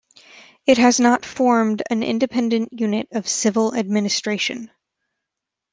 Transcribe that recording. It has not formed an independent unit of civil administration.